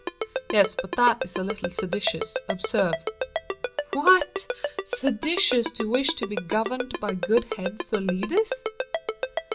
"Yes; but that is a little seditious, observe." "What! seditious to wish to be governed by good heads or leaders?"